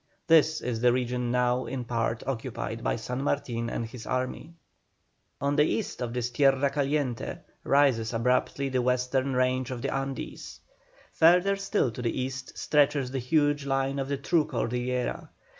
This is the region now in part occupied by San Martin and his army. On the east of this "Tierra Caliente" rises abruptly the western range of the Andes; further still to the east stretches the huge line of the true Cordillera.